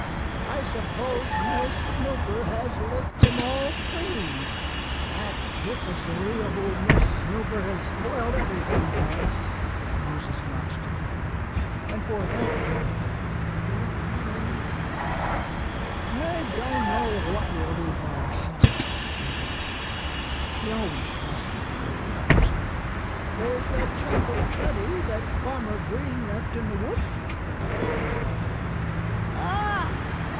I suppose Miss Snooper has licked them all clean." "That disagreeable Miss Snooper has spoiled everything for us," Moses Mouse declared. And for a fat gentleman he looked oddly unhappy. "I don't know what we'll do for our supper," he whined. He always whined when he was hungry. "There's that chunk of putty that Farmer Green left in the woodshed," his wife reminded him. "Ugh!"